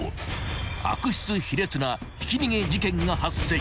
［悪質卑劣なひき逃げ事件が発生］